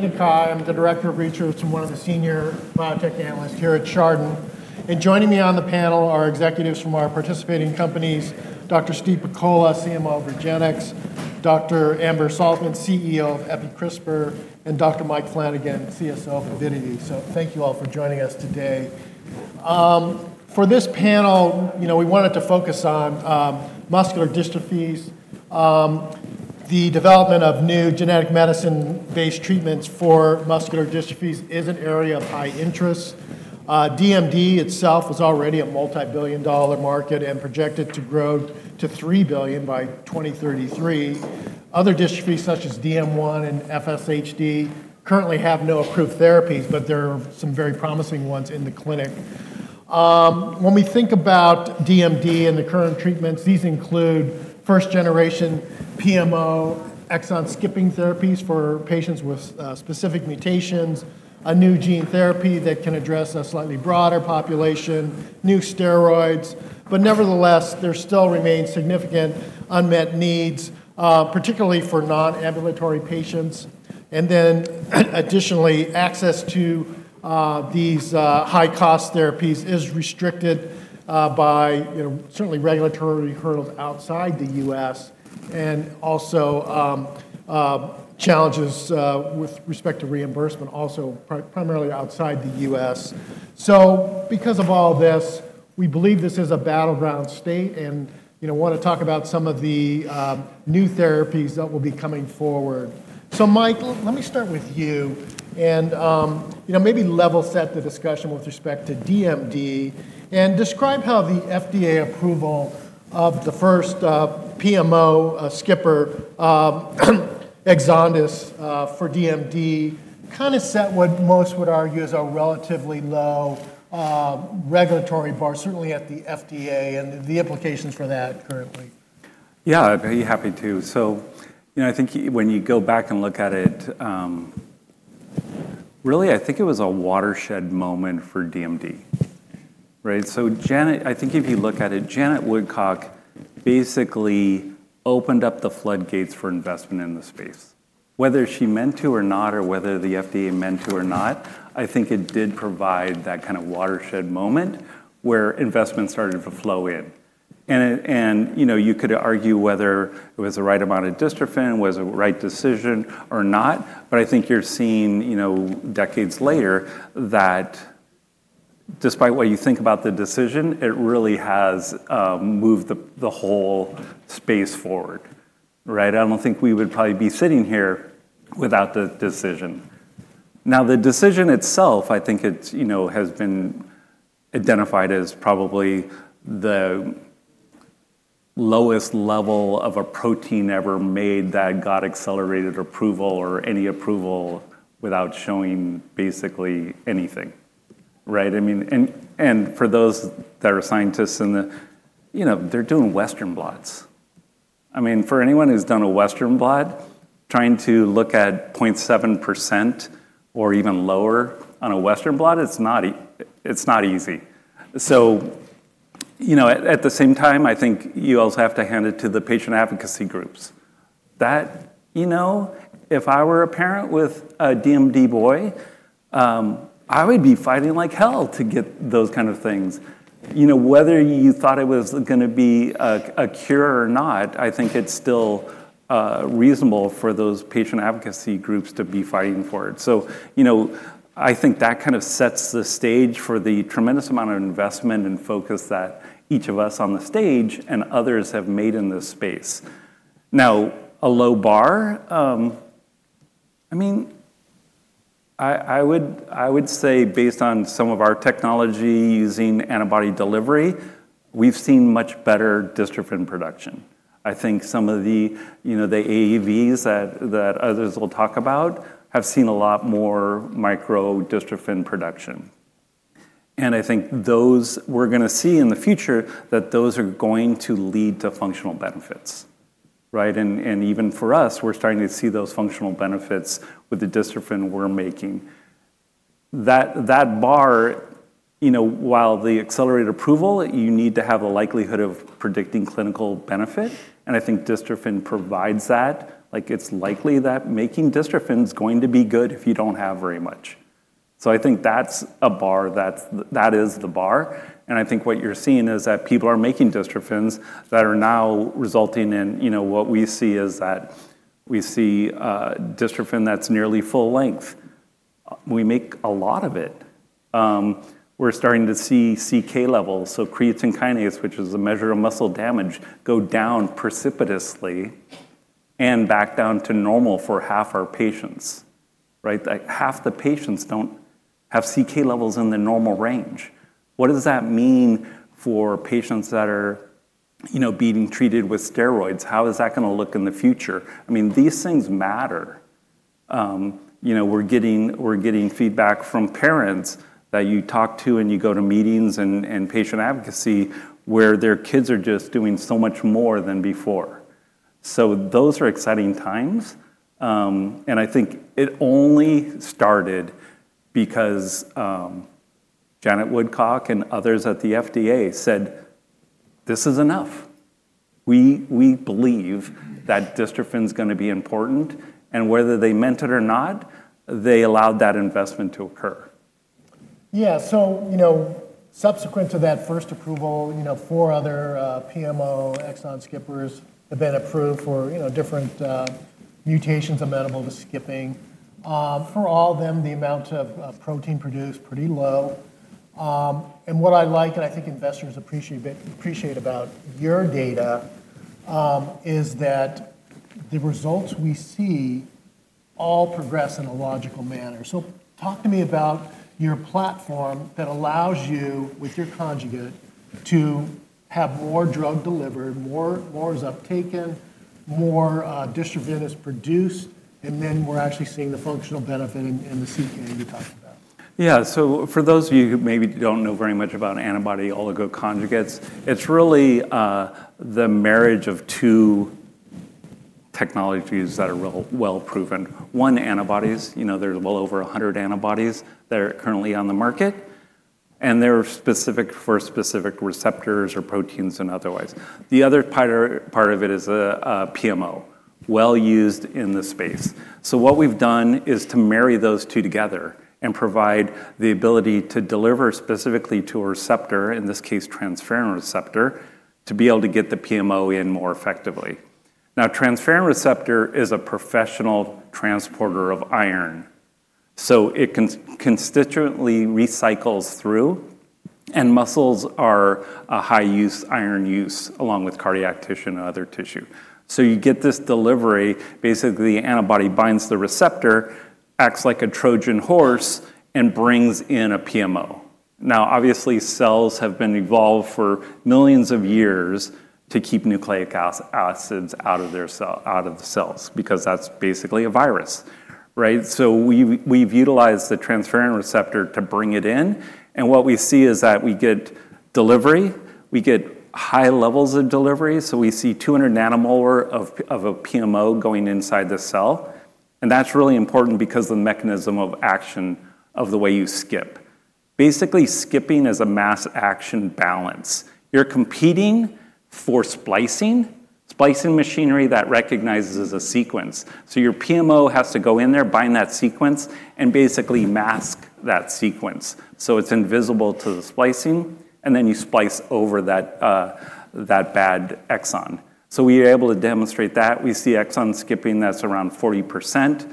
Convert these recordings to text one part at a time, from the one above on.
This is Keay Nakae. I'm the Director of Research and one of the Senior Biotech Analysts here at Chardan. Joining me on the panel are executives from our participating companies: Dr. Steve Pakola, CMO of REGENX; Dr. Amber Salzman, CEO of Epicrispr; and Dr. Michael Flanagan, CSO of Avidity. Thank you all for joining us today. For this panel, we wanted to focus on muscular dystrophies. The development of new genetic medicine-based treatments for muscular dystrophies is an area of high interest. DMD itself is already a multibillion-dollar market and projected to grow to $3 billion by 2033. Other dystrophies, such as DM1 and FSHD, currently have no approved therapies, but there are some very promising ones in the clinic. When we think about DMD and the current treatments, these include first-generation PMO exon-skipping therapies for patients with specific mutations, a new gene therapy that can address a slightly broader population, and new steroids. Nevertheless, there still remain significant unmet needs, particularly for non-ambulatory patients. Additionally, access to these high-cost therapies is restricted by regulatory hurdles outside the U.S. and also challenges with respect to reimbursement, also primarily outside the U.S. Because of all this, we believe this is a battleground state and want to talk about some of the new therapies that will be coming forward. Michael, let me start with you and maybe level set the discussion with respect to DMD and describe how the FDA approval of the first PMO skipper exons for DMD kind of set what most would argue is a relatively low regulatory bar, certainly at the FDA, and the implications for that currently. Yeah, I'd be happy to. I think when you go back and look at it, really, I think it was a watershed moment for DMD. If you look at it, Janet Woodcock basically opened up the floodgates for investment in the space. Whether she meant to or not, or whether the FDA meant to or not, I think it did provide that kind of watershed moment where investment started to flow in. You could argue whether it was the right amount of dystrophin, was it the right decision or not. I think you're seeing decades later that despite what you think about the decision, it really has moved the whole space forward. I don't think we would probably be sitting here without the decision. Now, the decision itself, I think it has been identified as probably the lowest level of a protein ever made that got accelerated approval or any approval without showing basically anything. For those that are scientists, they're doing western blots. I mean, for anyone who's done a western blot, trying to look at 0.7% or even lower on a western blot, it's not easy. At the same time, you also have to hand it to the patient advocacy groups. If I were a parent with a DMD boy, I would be fighting like hell to get those kind of things. Whether you thought it was going to be a cure or not, I think it's still reasonable for those patient advocacy groups to be fighting for it. I think that kind of sets the stage for the tremendous amount of investment and focus that each of us on the stage and others have made in this space. A low bar? I would say based on some of our technology using antibody delivery, we've seen much better dystrophin production. I think some of the AAVs that others will talk about have seen a lot more microdystrophin production. I think we're going to see in the future that those are going to lead to functional benefits. Even for us, we're starting to see those functional benefits with the dystrophin we're making. That bar, while the accelerated approval, you need to have a likelihood of predicting clinical benefit. I think dystrophin provides that. It's likely that making dystrophin is going to be good if you don't have very much. I think that's a bar. That is the bar. I think what you're seeing is that people are making dystrophins that are now resulting in what we see is that we see dystrophin that's nearly full length. We make a lot of it. We're starting to see CK levels, so creatine kinase, which is a measure of muscle damage, go down precipitously and back down to normal for half our patients. Half the patients don't have CK levels in the normal range. What does that mean for patients that are being treated with steroids? How is that going to look in the future? These things matter. We're getting feedback from parents that you talk to and you go to meetings and patient advocacy where their kids are just doing so much more than before. Those are exciting times. I think it only started because Janet Woodcock and others at the FDA said, this is enough. We believe that dystrophin is going to be important. Whether they meant it or not, they allowed that investment to occur. Yeah, so subsequent to that first approval, four other PMO exon skippers have been approved for different mutations amenable to skipping. For all of them, the amount of protein produced is pretty low. What I like, and I think investors appreciate about your data, is that the results we see all progress in a logical manner. Talk to me about your platform that allows you, with your conjugate, to have more drug delivered, more is uptaken, more dystrophin is produced, and then we're actually seeing the functional benefit in the CK you talked about. Yeah, so for those of you who maybe don't know very much about Antibody Oligonucleotide Conjugates (AOCs), it's really the marriage of two technologies that are well proven. One, antibodies. There's well over 100 antibodies that are currently on the market, and they're specific for specific receptors or proteins and otherwise. The other part of it is a PMO, well used in the space. What we've done is to marry those two together and provide the ability to deliver specifically to a receptor, in this case, transferrin receptor, to be able to get the PMO in more effectively. Transferrin receptor is a professional transporter of iron. It constitutively recycles through, and muscles are a high use iron use, along with cardiac tissue and other tissue. You get this delivery. Basically, the antibody binds the receptor, acts like a Trojan horse, and brings in a PMO. Obviously, cells have been evolved for millions of years to keep nucleic acids out of the cells because that's basically a virus. We've utilized the transferrin receptor to bring it in. What we see is that we get delivery. We get high levels of delivery. We see 200 nanomolar of a PMO going inside the cell. That's really important because of the mechanism of action of the way you skip. Basically, skipping is a mass action balance. You're competing for splicing, splicing machinery that recognizes a sequence. Your PMO has to go in there, bind that sequence, and basically mask that sequence so it's invisible to the splicing. Then you splice over that bad exon. We are able to demonstrate that. We see exon skipping that's around 40%.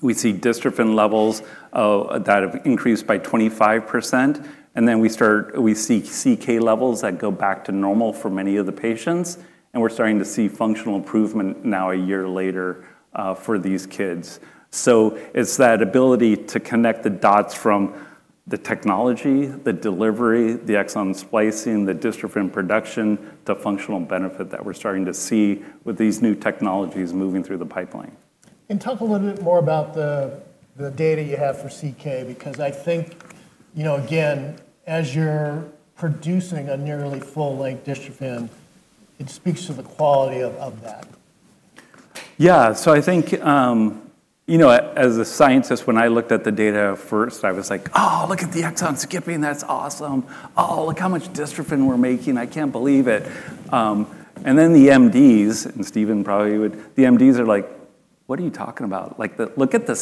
We see dystrophin levels that have increased by 25%. We see CK levels that go back to normal for many of the patients. We're starting to see functional improvement now a year later for these kids. It's that ability to connect the dots from the technology, the delivery, the exon splicing, the dystrophin production, the functional benefit that we're starting to see with these new technologies moving through the pipeline. Talk a little bit more about the data you have for CK because I think, you know, again, as you're producing a nearly full-length dystrophin, it speaks to the quality of that. Yeah, I think, you know, as a scientist, when I looked at the data first, I was like, oh, look at the exon skipping. That's awesome. Oh, look how much dystrophin we're making. I can't believe it. The MDs, and Steven probably would, the MDs are like, what are you talking about? Look at the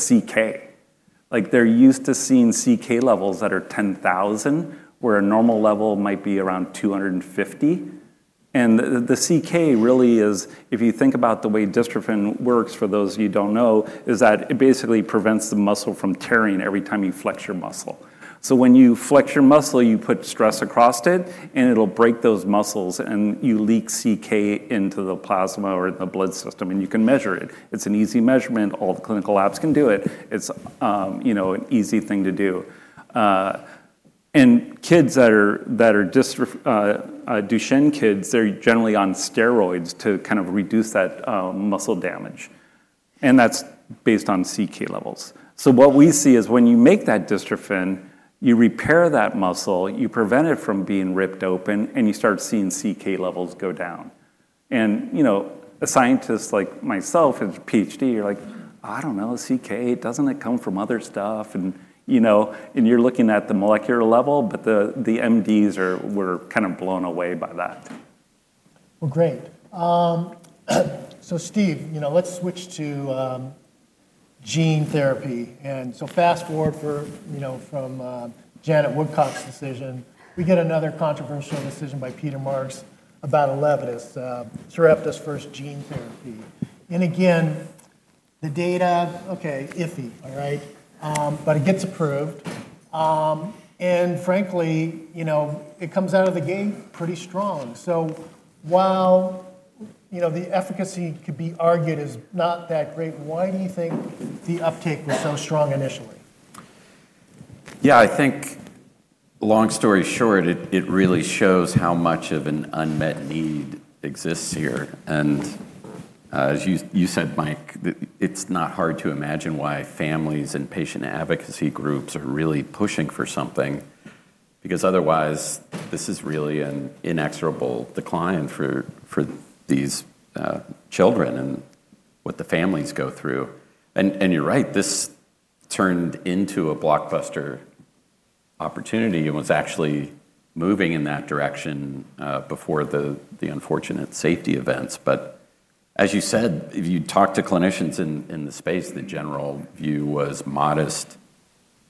CK. They're used to seeing CK levels that are 10,000, where a normal level might be around 250. The CK really is, if you think about the way dystrophin works for those of you who don't know, it basically prevents the muscle from tearing every time you flex your muscle. When you flex your muscle, you put stress across it, and it'll break those muscles, and you leak CK into the plasma or in the blood system. You can measure it. It's an easy measurement. All the clinical labs can do it. It's an easy thing to do. Kids that are Duchenne kids, they're generally on steroids to kind of reduce that muscle damage. That's based on CK levels. What we see is when you make that dystrophin, you repair that muscle, you prevent it from being ripped open, and you start seeing CK levels go down. You know, a scientist like myself, who's a PhD, you're like, I don't know, CK, doesn't it come from other stuff? You're looking at the molecular level, but the MDs were kind of blown away by that. Great. Steve, you know, let's switch to gene therapy. Fast forward from Janet Woodcock's decision. We get another controversial decision by Peter Marks about Elevidys, Sarepta first gene therapy. The data, ok, iffy, all right, but it gets approved. Frankly, it comes out of the gate pretty strong. While the efficacy could be argued is not that great, why do you think the uptake was so strong initially? Yeah, I think long story short, it really shows how much of an unmet need exists here. As you said, Mike, it's not hard to imagine why families and patient advocacy groups are really pushing for something because otherwise, this is really an inexorable decline for these children and what the families go through. You're right. This turned into a blockbuster opportunity and was actually moving in that direction before the unfortunate safety events. As you said, if you talk to clinicians in the space, the general view was modest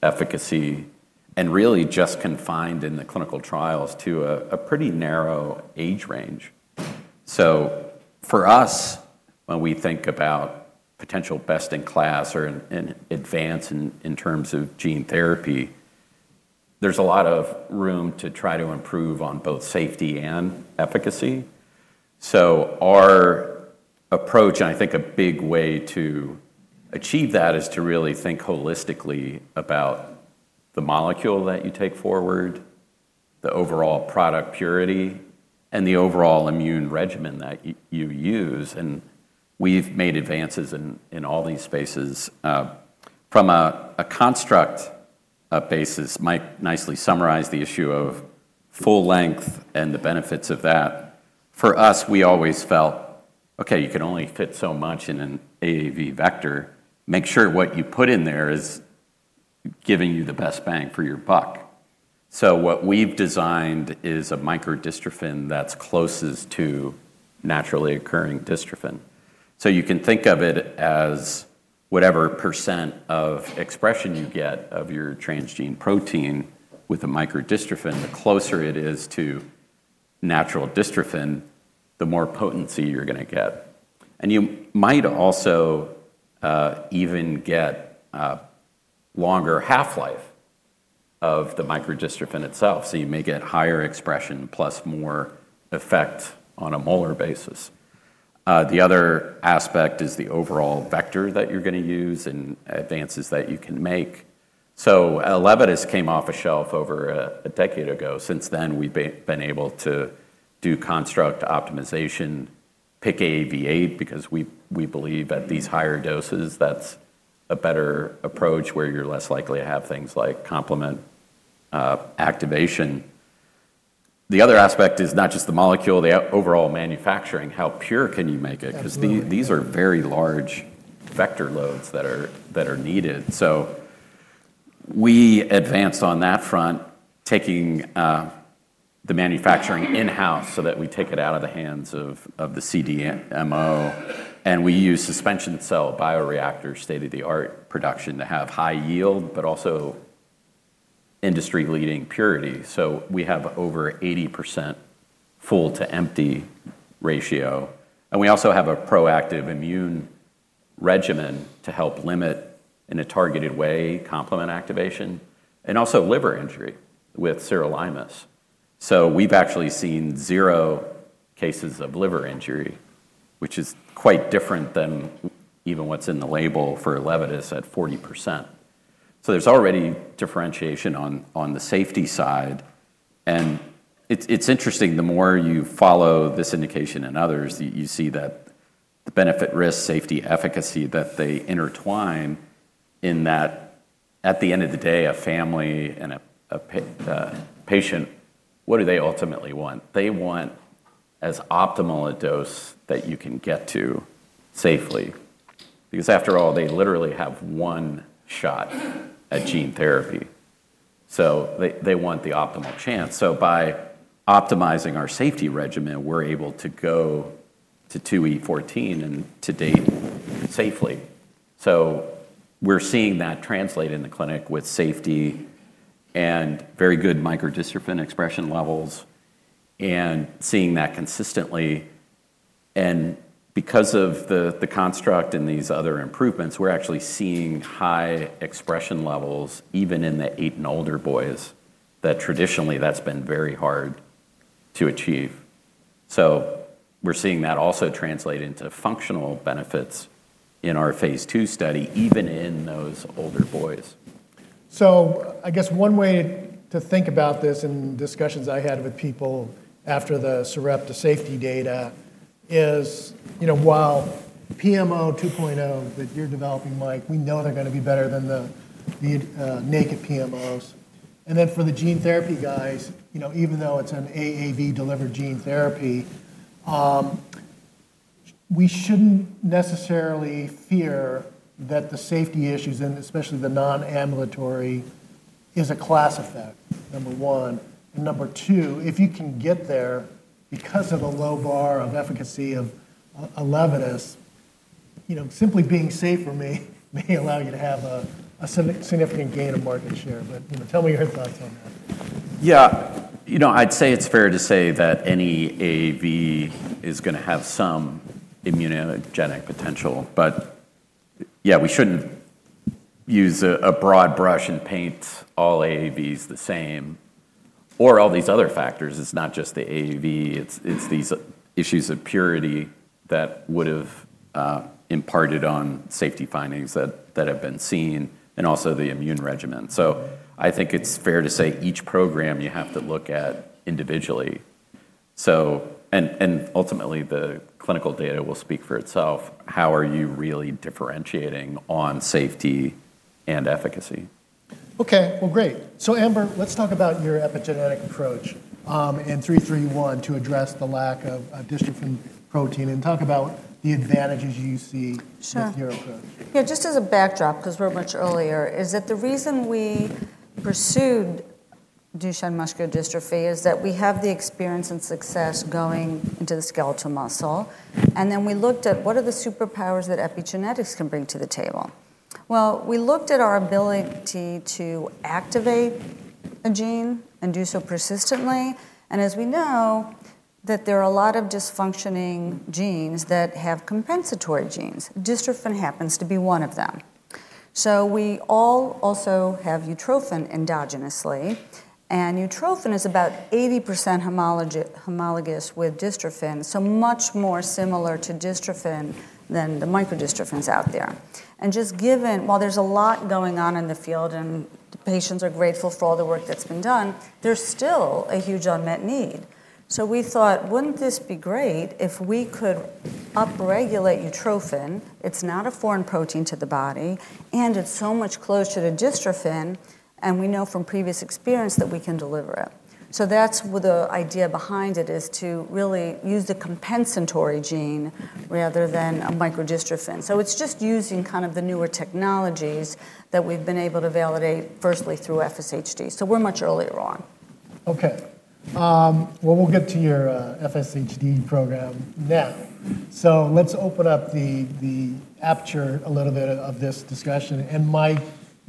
efficacy and really just confined in the clinical trials to a pretty narrow age range. For us, when we think about potential best in class or advance in terms of gene therapy, there's a lot of room to try to improve on both safety and efficacy. Our approach, and I think a big way to achieve that, is to really think holistically about the molecule that you take forward, the overall product purity, and the overall immune regimen that you use. We've made advances in all these spaces. From a construct basis, Mike nicely summarized the issue of full length and the benefits of that. For us, we always felt, ok, you can only fit so much in an AAV vector. Make sure what you put in there is giving you the best bang for your buck. What we've designed is a microdystrophin that's closest to naturally occurring dystrophin. You can think of it as whatever percent of expression you get of your transgene protein with a microdystrophin, the closer it is to natural dystrophin, the more potency you're going to get. You might also even get longer half-life of the microdystrophin itself. You may get higher expression plus more effect on a molar basis. The other aspect is the overall vector that you're going to use and advances that you can make. Elevidys came off a shelf over a decade ago. Since then, we've been able to do construct optimization, pick AAV8, because we believe at these higher doses, that's a better approach where you're less likely to have things like complement activation. The other aspect is not just the molecule, the overall manufacturing. How pure can you make it? These are very large vector loads that are needed. We advanced on that front, taking the manufacturing in-house so that we take it out of the hands of the CDMO. We use suspension cell bioreactors, state-of-the-art production, to have high yield, but also industry-leading purity. We have over 80% full to empty ratio. We also have a proactive immune regimen to help limit in a targeted way complement activation and also liver injury with sirolimus. We have actually seen zero cases of liver injury, which is quite different than even what's in the label for Elevidys at 40%. There is already differentiation on the safety side. It is interesting, the more you follow this indication and others, you see that the benefit, risk, safety, efficacy, they intertwine in that at the end of the day, a family and a patient, what do they ultimately want? They want as optimal a dose that you can get to safely because after all, they literally have one shot at gene therapy. They want the optimal chance. By optimizing our safety regimen, we are able to go to 2E14 and to date safely. We are seeing that translate in the clinic with safety and very good microdystrophin expression levels and seeing that consistently. Because of the construct and these other improvements, we are actually seeing high expression levels even in the eight and older boys that traditionally that's been very hard to achieve. We are seeing that also translate into functional benefits in our phase two study, even in those older boys. I guess one way to think about this in discussions I had with people after the Sarepta safety data is, you know, while PMO 2.0 that you're developing, Mike, we know they're going to be better than the naked PMOs. For the gene therapy guys, even though it's an AAV-based gene therapy, we shouldn't necessarily fear that the safety issues, and especially the non-ambulatory, is a class effect, number one. Number two, if you can get there because of the low bar of efficacy of Elevidys, simply being safer may allow you to have a significant gain of market share. Tell me your thoughts on that. Yeah, you know, I'd say it's fair to say that any AAV is going to have some immunogenic potential. We shouldn't use a broad brush and paint all AAVs the same or all these other factors. It's not just the AAV. It's these issues of purity that would have imparted on safety findings that have been seen, and also the immune regimen. I think it's fair to say each program you have to look at individually. Ultimately, the clinical data will speak for itself. How are you really differentiating on safety and efficacy? Ok, great. Amber, let's talk about your epigenetic approach in 331 to address the lack of dystrophin protein and talk about the advantages you see with your approach. Yeah, just as a backdrop, because we're much earlier, the reason we pursued Duchenne muscular dystrophy is that we have the experience and success going into the skeletal muscle. We looked at what are the superpowers that epigenetics can bring to the table. We looked at our ability to activate a gene and do so persistently. As we know, there are a lot of dysfunctioning genes that have compensatory genes. Dystrophin happens to be one of them. We also have utrophin endogenously, and utrophin is about 80% homologous with dystrophin, so much more similar to dystrophin than the microdystrophins out there. There is a lot going on in the field and patients are grateful for all the work that's been done, but there's still a huge unmet need. We thought, wouldn't this be great if we could upregulate utrophin? It's not a foreign protein to the body, and it's so much closer to dystrophin. We know from previous experience that we can deliver it. The idea behind it is to really use the compensatory gene rather than a microdystrophin. It's just using kind of the newer technologies that we've been able to validate firstly through facioscapulohumeral muscular dystrophy. We're much earlier on. OK. We'll get to your FSHD program now. Let's open up the aperture a little bit of this discussion. Mike,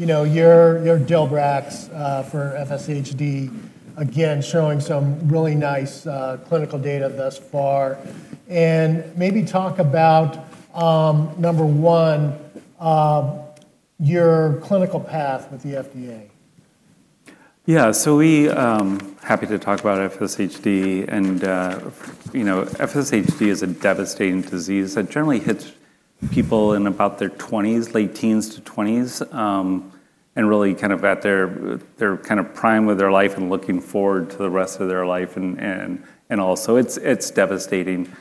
you know your delivery for FSHD, again, showing some really nice clinical data thus far. Maybe talk about, number one, your clinical path with the FDA. Yeah, we're happy to talk about FSHD. FSHD is a devastating disease that generally hits people in their 20s, late teens to 20s, and really kind of at their prime with their life and looking forward to the rest of their life. It's devastating.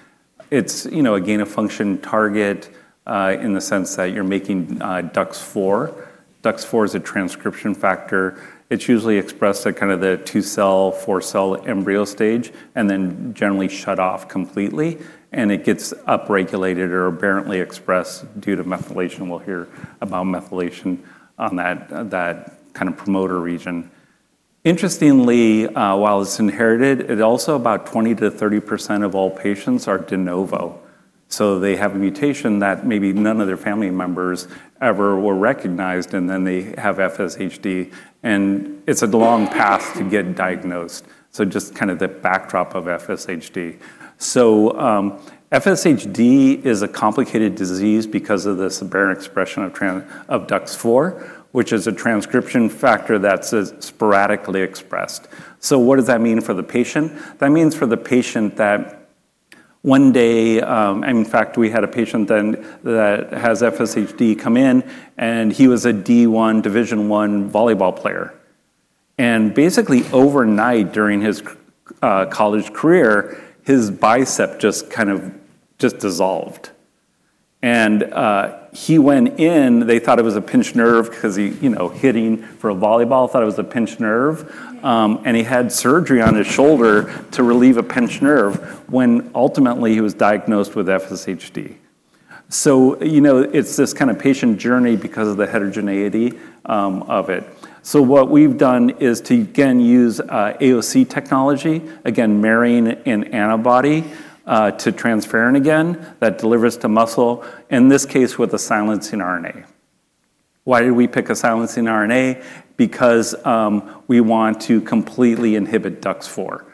It's a gain of function target in the sense that you're making DUX4. DUX4 is a transcription factor. It's usually expressed at the two-cell, four-cell embryo stage and then generally shut off completely. It gets upregulated or aberrantly expressed due to methylation. We'll hear about methylation on that promoter region. Interestingly, while it's inherited, about 20%-30% of all patients are de novo. They have a mutation that maybe none of their family members ever were recognized. They have FSHD. It's a long path to get diagnosed. Just kind of the backdrop of FSHD. FSHD is a complicated disease because of the aberrant expression of DUX4, which is a transcription factor that's sporadically expressed. What does that mean for the patient? That means for the patient that one day, in fact, we had a patient that has FSHD come in. He was a Division 1 volleyball player. Basically, overnight during his college career, his bicep just kind of dissolved. He went in. They thought it was a pinched nerve because he, you know, hitting for a volleyball, thought it was a pinched nerve. He had surgery on his shoulder to relieve a pinched nerve when ultimately he was diagnosed with FSHD. It's this kind of patient journey because of the heterogeneity of it. What we've done is to use AOC technology, marrying an antibody to transferrin that delivers to muscle, in this case with a silencing RNA. Why did we pick a silencing RNA? Because we want to completely inhibit DUX4.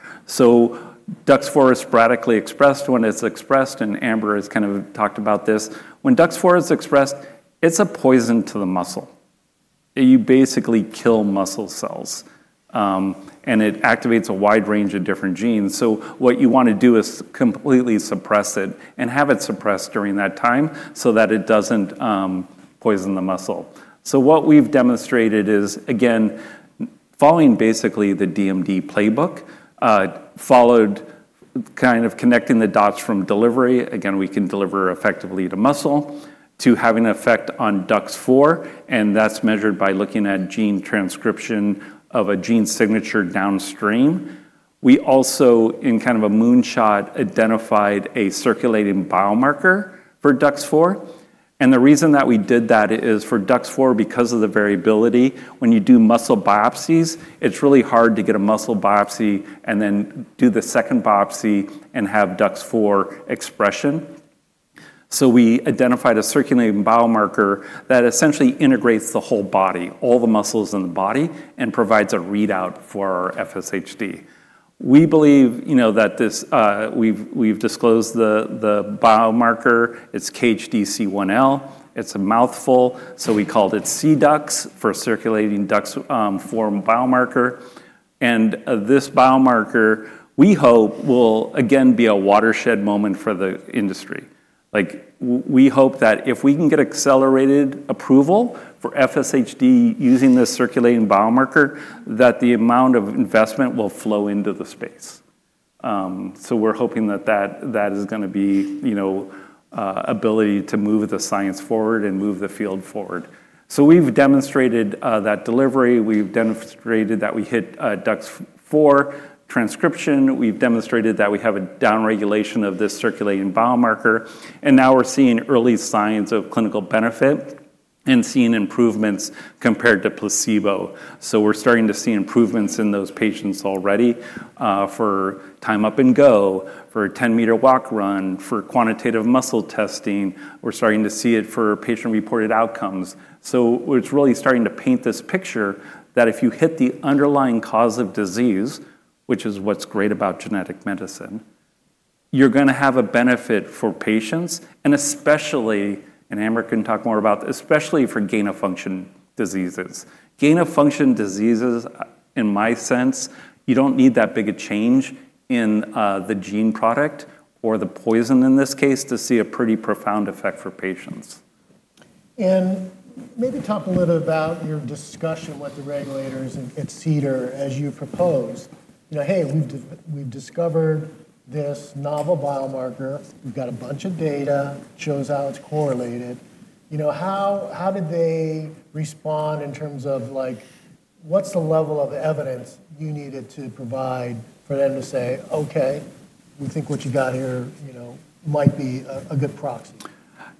DUX4 is sporadically expressed when it's expressed. Amber has talked about this. When DUX4 is expressed, it's a poison to the muscle. You basically kill muscle cells. It activates a wide range of different genes. What you want to do is completely suppress it and have it suppressed during that time so that it doesn't poison the muscle. What we've demonstrated is, following basically the DMD playbook, connecting the dots from delivery. We can deliver effectively to muscle to have an effect on DUX4. That's measured by looking at gene transcription of a gene signature downstream. We also, in kind of a moonshot, identified a circulating biomarker for DUX4. The reason that we did that is for DUX4, because of the variability, when you do muscle biopsies, it's really hard to get a muscle biopsy and then do the second biopsy and have DUX4 expression. We identified a circulating biomarker that essentially integrates the whole body, all the muscles in the body, and provides a readout for FSHD. We believe that we've disclosed the biomarker. It's KHDC1L. It's a mouthful. We called it C-DUX for a circulating DUX4 biomarker. This biomarker, we hope, will again be a watershed moment for the industry. We hope that if we can get accelerated approval for FSHD using this circulating biomarker, the amount of investment will flow into the space. We're hoping that is going to be the ability to move the science forward and move the field forward. We've demonstrated that delivery. We've demonstrated that we hit DUX4 transcription. We've demonstrated that we have a downregulation of this circulating biomarker. Now we're seeing early signs of clinical benefit and seeing improvements compared to placebo. We're starting to see improvements in those patients already for time up and go, for a 10-meter walk run, for quantitative muscle testing. We're starting to see it for patient-reported outcomes. It's really starting to paint this picture that if you hit the underlying cause of disease, which is what's great about genetic medicine, you're going to have a benefit for patients. Especially, and Amber can talk more about, especially for gain of function diseases. Gain of function diseases, in my sense, you don't need that big a change in the gene product or the poison in this case to see a pretty profound effect for patients. Maybe talk a little bit about your discussion with the regulators at CDER as you propose. You know, hey, we've discovered this novel biomarker. We've got a bunch of data. It shows how it's correlated. You know, how did they respond in terms of, like, what's the level of evidence you needed to provide for them to say, ok, we think what you got here might be a good proxy?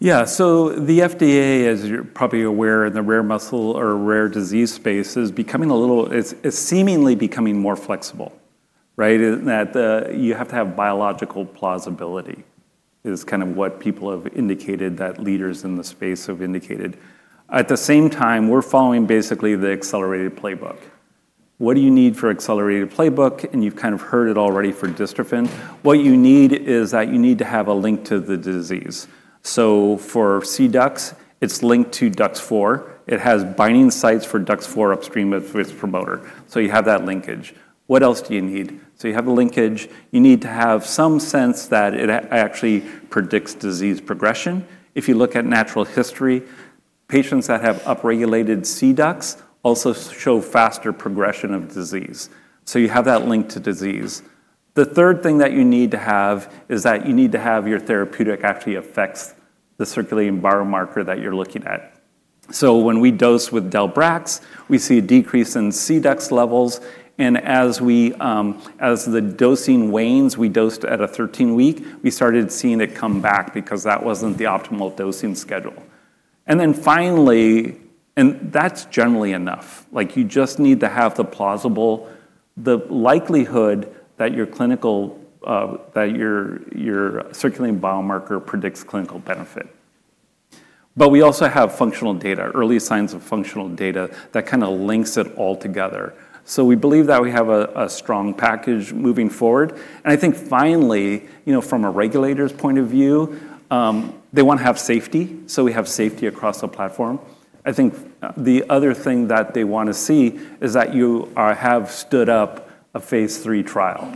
Yeah, so the FDA, as you're probably aware, in the rare muscle or rare disease space, is becoming a little, it's seemingly becoming more flexible, right? You have to have biological plausibility is kind of what people have indicated, that leaders in the space have indicated. At the same time, we're following basically the accelerated playbook. What do you need for accelerated playbook? You've kind of heard it already for dystrophin. What you need is that you need to have a link to the disease. For C-DUX, it's linked to DUX4. It has binding sites for DUX4 upstream of its promoter, so you have that linkage. What else do you need? You have a linkage. You need to have some sense that it actually predicts disease progression. If you look at natural history, patients that have upregulated C-DUX also show faster progression of disease, so you have that link to disease. The third thing that you need to have is that you need to have your therapeutic actually affect the circulating biomarker that you're looking at. When we dose with [Delbracks], we see a decrease in C-DUX levels, and as the dosing wanes, we dosed at a 13-week, we started seeing it come back because that wasn't the optimal dosing schedule. Finally, that's generally enough. You just need to have the plausible, the likelihood that your circulating biomarker predicts clinical benefit. We also have functional data, early signs of functional data that kind of links it all together. We believe that we have a strong package moving forward. I think finally, from a regulator's point of view, they want to have safety. We have safety across the platform. I think the other thing that they want to see is that you have stood up a phase three trial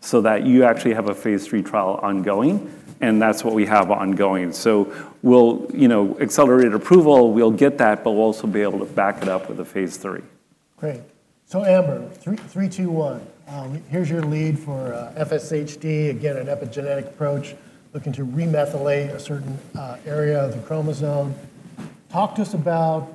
so that you actually have a phase three trial ongoing, and that's what we have ongoing. We'll accelerate approval. We'll get that, but we'll also be able to back it up with a phase three. Great. Amber, here's your lead for FSHD. Again, an epigenetic approach looking to remethylate a certain area of the chromosome. Talk to us about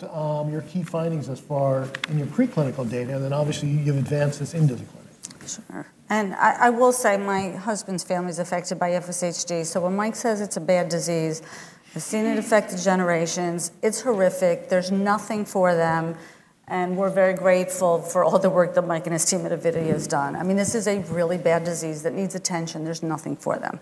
your key findings thus far in your preclinical data. Obviously, you've advanced this into the clinic. Sure. I will say my husband's family is affected by FSHD. When Mike says it's a bad disease, I've seen it affect generations. It's horrific. There's nothing for them. We're very grateful for all the work that Mike and his team at Avidity Biosciences have done. I mean, this is a really bad disease that needs attention. There's nothing for them.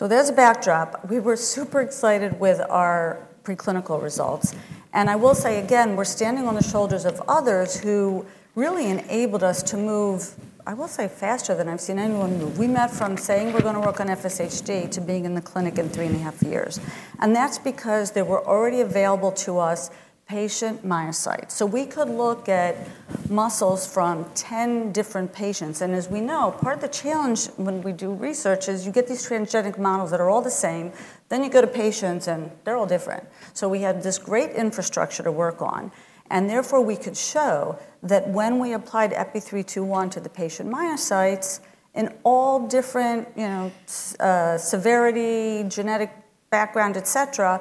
As a backdrop, we were super excited with our preclinical results. I will say again, we're standing on the shoulders of others who really enabled us to move, I will say, faster than I've seen anyone move. We went from saying we're going to work on FSHD to being in the clinic in three and a half years. That's because there were already available to us, patient myocytes. We could look at muscles from 10 different patients. As we know, part of the challenge when we do research is you get these transgenic models that are all the same. You go to patients, and they're all different. We had this great infrastructure to work on. Therefore, we could show that when we applied EPI-321 to the patient myocytes in all different severity, genetic background, et cetera,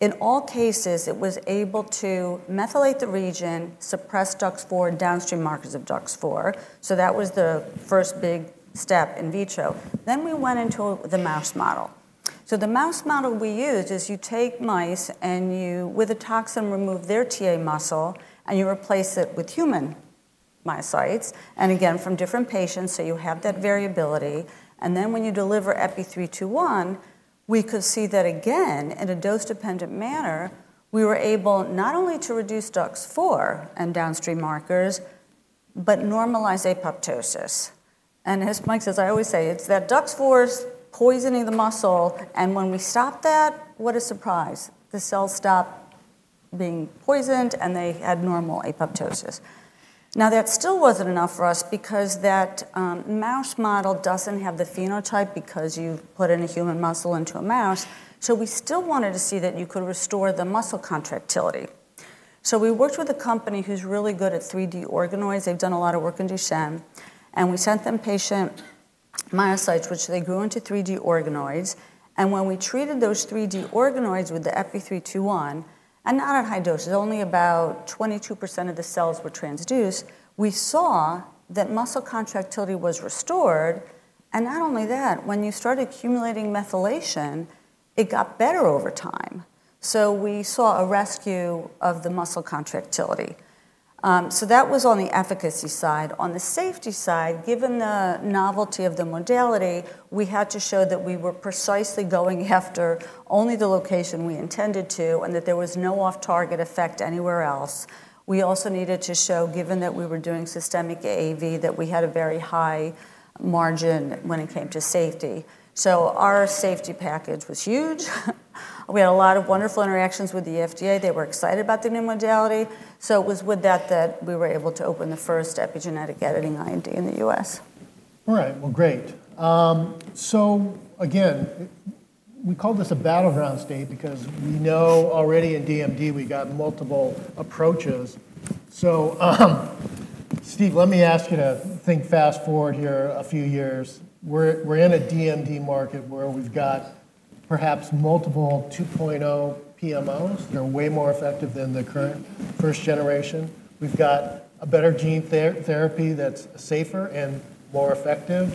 in all cases, it was able to methylate the region, suppress DUX4, and downstream markers of DUX4. That was the first big step in vitro. We went into the mouse model. The mouse model we used is you take mice and you, with a toxin, remove their TA muscle and you replace it with human myocytes. Again, from different patients, so you have that variability. When you deliver EPI-321, we could see that, again, in a dose-dependent manner, we were able not only to reduce DUX4 and downstream markers, but normalize apoptosis. As Mike says, I always say that DUX4 is poisoning the muscle. When we stopped that, what a surprise. The cells stopped being poisoned, and they had normal apoptosis. That still wasn't enough for us because that mouse model doesn't have the phenotype because you put in a human muscle into a mouse. We still wanted to see that you could restore the muscle contractility. We worked with a company who's really good at 3D organoids. They've done a lot of work in Duchenne. We sent them patient myocytes, which they grew into 3D organoids. When we treated those 3D organoids with the EPI-321, and not at high doses, only about 22% of the cells were transduced, we saw that muscle contractility was restored. Not only that, when you start accumulating methylation, it got better over time. We saw a rescue of the muscle contractility. That was on the efficacy side. On the safety side, given the novelty of the modality, we had to show that we were precisely going after only the location we intended to and that there was no off-target effect anywhere else. We also needed to show, given that we were doing systemic AAV, that we had a very high margin when it came to safety. Our safety package was huge. We had a lot of wonderful interactions with the FDA. They were excited about the new modality. It was with that that we were able to open the first epigenetic editing IND in the U.S. All right. Great. Again, we call this a battleground state because we know already in DMD we've got multiple approaches. Steve, let me ask you to think fast forward here a few years. We're in a DMD market where we've got perhaps multiple 2.0 PMOs. They're way more effective than the current first generation. We've got a better gene therapy that's safer and more effective.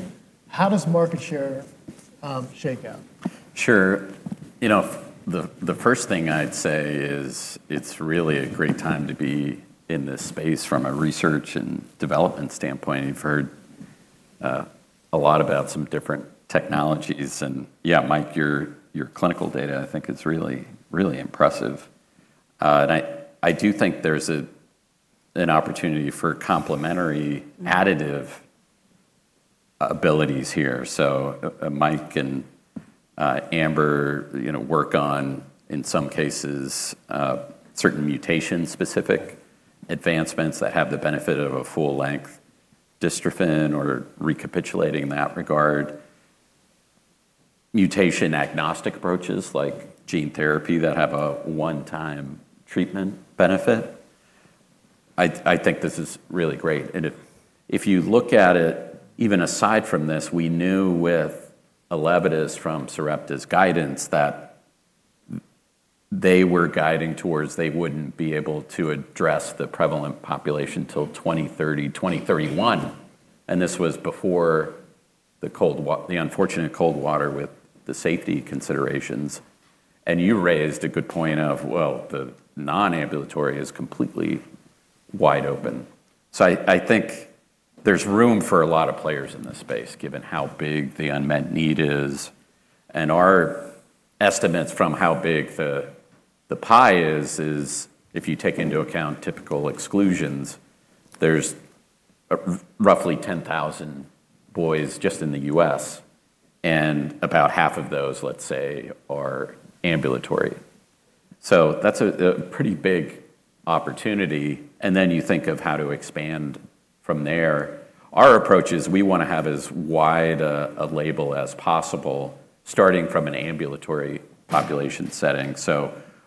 How does market share shake out? Sure. The first thing I'd say is it's really a great time to be in this space from a research and development standpoint. You've heard a lot about some different technologies. Mike, your clinical data, I think, is really, really impressive. I do think there's an opportunity for complementary additive abilities here. Mike and Amber work on, in some cases, certain mutation-specific advancements that have the benefit of a full-length dystrophin or recapitulating in that regard, mutation-agnostic approaches like gene therapy that have a one-time treatment benefit. I think this is really great. If you look at it, even aside from this, we knew with Elevidys from Sarepta Therapeutics' guidance that they were guiding towards they wouldn't be able to address the prevalent population till 2030, 2031. This was before the unfortunate cold water with the safety considerations. You raised a good point of, the non-ambulatory is completely wide open. I think there's room for a lot of players in this space, given how big the unmet need is. Our estimates from how big the pie is, is if you take into account typical exclusions, there's roughly 10,000 boys just in the U.S. About half of those, let's say, are ambulatory. That's a pretty big opportunity. Then you think of how to expand from there. Our approach is we want to have as wide a label as possible, starting from an ambulatory population setting.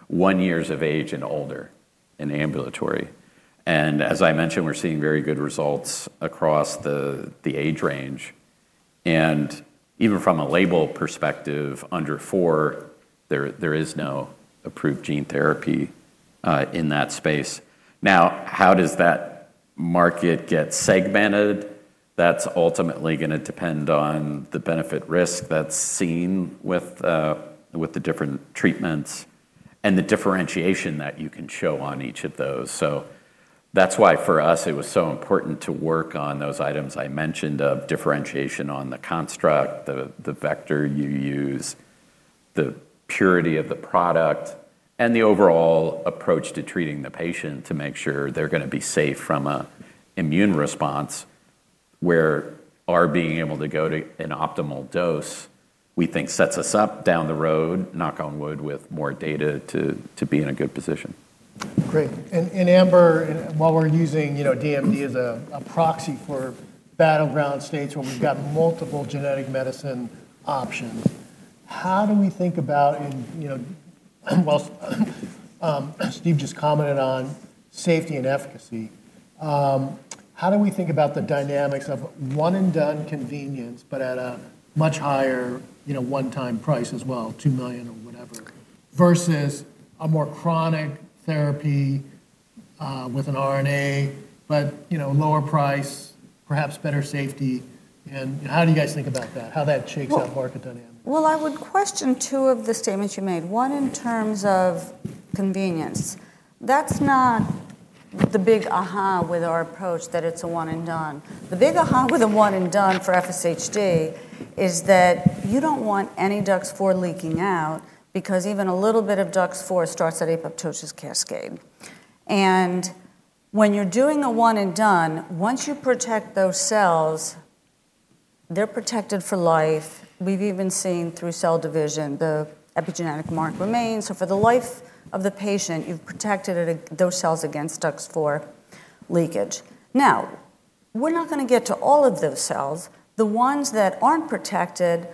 One year of age and older in ambulatory. As I mentioned, we're seeing very good results across the age range. Even from a label perspective, under four, there is no approved gene therapy in that space. How does that market get segmented? That's ultimately going to depend on the benefit-risk that's seen with the different treatments and the differentiation that you can show on each of those. That's why for us, it was so important to work on those items I mentioned of differentiation on the construct, the vector you use, the purity of the product, and the overall approach to treating the patient to make sure they're going to be safe from an immune response, where our being able to go to an optimal dose, we think, sets us up down the road, knock on wood, with more data to be in a good position. Great. Amber, while we're using DMD as a proxy for battleground states where we've got multiple genetic medicine options, how do we think about Steve just commented on safety and efficacy. How do we think about the dynamics of one-and-done convenience, but at a much higher one-time price as well, $2 million or whatever, versus a more chronic therapy with an RNA, but lower price, perhaps better safety? How do you guys think about that? How that shakes out market dynamics? I would question two of the statements you made. One in terms of convenience. That's not the big aha with our approach, that it's a one-and-done. The big aha with a one-and-done for FSHD is that you don't want any DUX4 leaking out because even a little bit of DUX4 starts that apoptosis cascade. When you're doing a one-and-done, once you protect those cells, they're protected for life. We've even seen through cell division, the epigenetic mark remains. For the life of the patient, you've protected those cells against DUX4 leakage. We're not going to get to all of those cells. The ones that aren't protected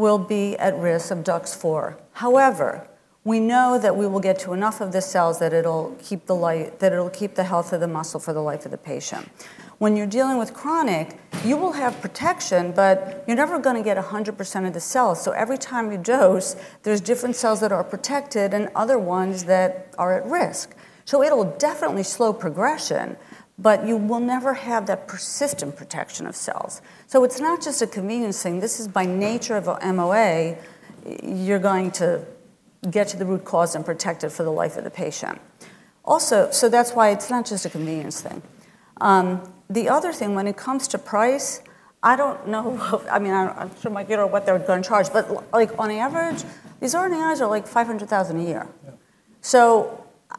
will be at risk of DUX4. However, we know that we will get to enough of the cells that it'll keep the health of the muscle for the life of the patient. When you're dealing with chronic, you will have protection, but you're never going to get 100% of the cells. Every time you dose, there are different cells that are protected and other ones that are at risk. It'll definitely slow progression, but you will never have that persistent protection of cells. It's not just a convenience thing. This is by nature of MOA. You're going to get to the root cause and protect it for the life of the patient. That's why it's not just a convenience thing. The other thing, when it comes to price, I don't know. I'm sure Mike can't remember what they're going to charge. On average, these RNAi's are like $500,000 a year.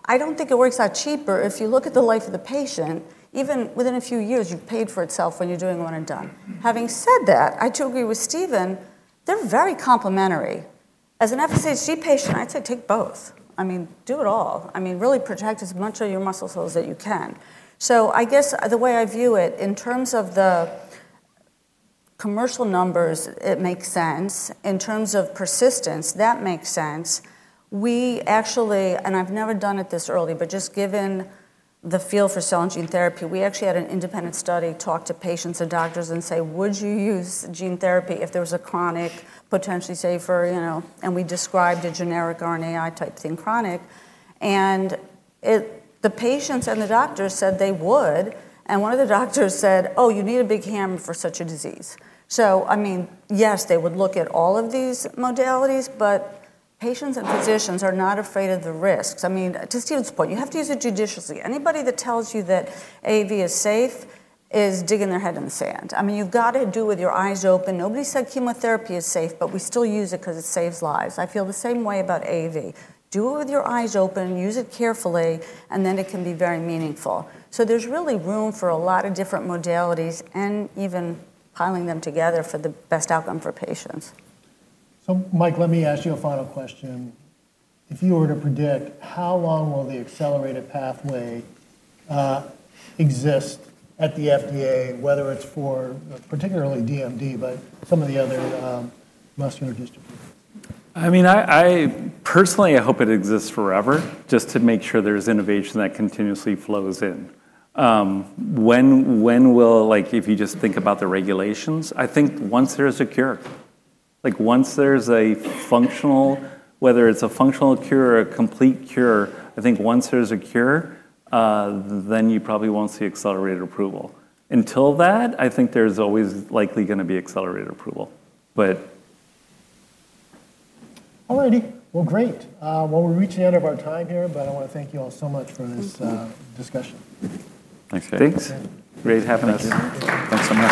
I don't think it works out cheaper. If you look at the life of the patient, even within a few years, you've paid for itself when you're doing one-and-done. Having said that, I do agree with Steven. They're very complementary. As an FSHD patient, I'd say take both. Do it all. Really protect as much of your muscle cells as you can. The way I view it in terms of the commercial numbers, it makes sense. In terms of persistence, that makes sense. We actually, and I've never done it this early, but just given the feel for cell and gene therapy, we actually had an independent study talk to patients and doctors and say, would you use gene therapy if there was a chronic, potentially safer? We described a generic RNAi type thing chronic. The patients and the doctors said they would. One of the doctors said, oh, you need a big hammer for such a disease. They would look at all of these modalities. Patients and physicians are not afraid of the risks. I mean, to Steve's point, you have to use it judiciously. Anybody that tells you that AAV is safe is digging their head in the sand. You've got to do it with your eyes open. Nobody said chemotherapy is safe, but we still use it because it saves lives. I feel the same way about AAV. Do it with your eyes open, use it carefully, and it can be very meaningful. There is really room for a lot of different modalities and even piling them together for the best outcome for patients. Mike, let me ask you a final question. If you were to predict, how long will the accelerated pathway exist at the FDA, whether it's for particularly DMD, but some of the other muscular dystrophies? I mean, personally, I hope it exists forever, just to make sure there's innovation that continuously flows in. If you just think about the regulations, I think once there's a cure, like once there's a functional, whether it's a functional cure or a complete cure, I think once there's a cure, then you probably won't see accelerated approval. Until that, I think there's always likely going to be accelerated approval. All righty. Great. We're reaching the end of our time here, but I want to thank you all so much for this discussion. Thanks, guys. Thanks. Great having us. Thanks so much.